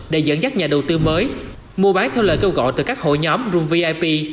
để dẫn dắt nhà đầu tư mới mua bán theo lời kêu gọi từ các hội nhóm room vip